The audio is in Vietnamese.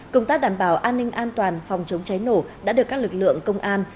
công tác đảm bảo an ninh an toàn phòng chống cháy nổ đã được các lực lượng công an